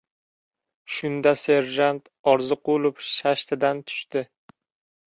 Shunda, serjant Orziqulov shashtidan tushdi.